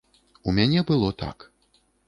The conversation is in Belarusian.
У мяне было так.